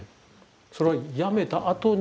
それは辞めたあとに？